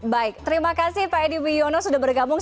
baik terima kasih pak edi wiono sudah bergabung